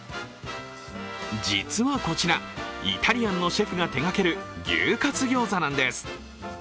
実はこちら、イタリアンのシェフが手がける牛カツ餃子なんです。